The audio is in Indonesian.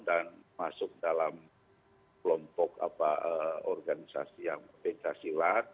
dan masuk dalam kelompok organisasi yang pentasilat